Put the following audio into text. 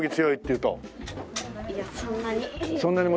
いやそんなに。